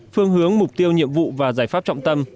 phương hướng mục tiêu nhiệm vụ và giải pháp trọng tâm